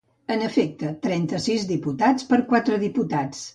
En efecte, trenta-sis diputats per quatre diputats.